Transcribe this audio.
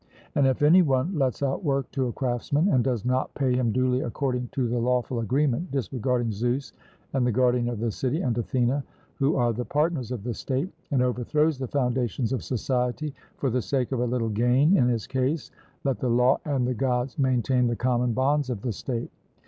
And if any one lets out work to a craftsman, and does not pay him duly according to the lawful agreement, disregarding Zeus the guardian of the city and Athene, who are the partners of the state, and overthrows the foundations of society for the sake of a little gain, in his case let the law and the Gods maintain the common bonds of the state.